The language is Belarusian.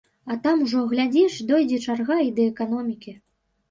А там ужо, глядзіш, дойдзе чарга і да эканомікі.